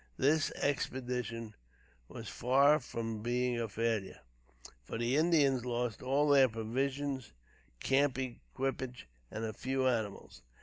This expedition was far from being a failure, for the Indians lost all their provisions, camp equipage and a few animals.